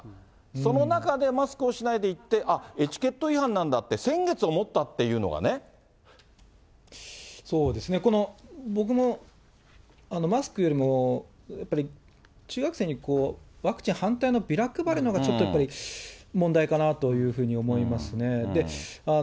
その中でマスクをしないでいって、あっ、エチケット違反なんだってそうですね、この僕も、マスクよりもやっぱり中学生にワクチン反対のビラ配るのが、やっぱりちょっと問題かなというふうに思いますね。